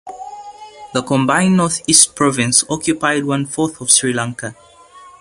The combined North-East Province occupied one fourth of Sri Lanka.